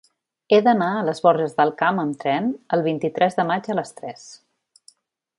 He d'anar a les Borges del Camp amb tren el vint-i-tres de maig a les tres.